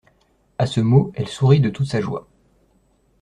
A ce mot, elle sourit de toute sa joie.